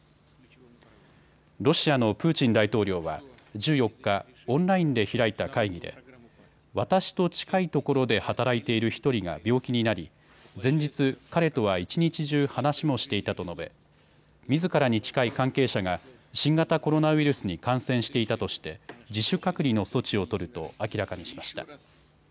ロシアのプーチン大統領は１４日、オンラインで開いた会議で私と近いところで働いている１人が病気になり前日、彼とは一日中話もしていたと述べみずからに近い関係者が新型コロナウイルスに感染していたとして自主隔離の措置を取ると明らかにしました。